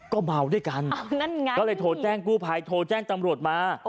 ก็เมาด้วยกันนั่นไงก็เลยโทรแจ้งกู้ภัยโทรแจ้งตำรวจมา